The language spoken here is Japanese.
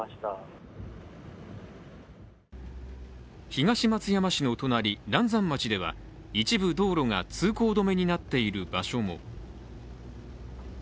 東松山の隣、嵐山町では一部道路が通行止めになっている場所も。